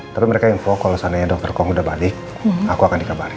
tapi mereka info kalau seandainya dokter kong udah balik aku akan dikabarin